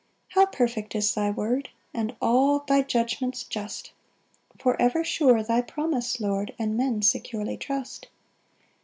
3 How perfect is thy word! And all thy judgments just! For ever sure thy promise, Lord, And men securely trust.